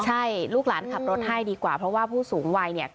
ใช่ลูกหลานขับรถให้ดีกว่าเพราะว่าผู้สูงวัยเนี่ย